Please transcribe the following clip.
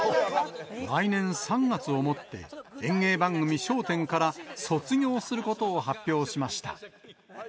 来年３月をもって、演芸番組、笑点から卒業することを発表しました。